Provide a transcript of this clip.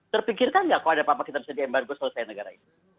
terpikirkan enggak kalau ada apa apa kita bisa diembargu seluruh negara ini